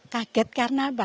kaget karena apa